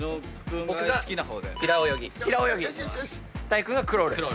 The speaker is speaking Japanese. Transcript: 木君がクロール。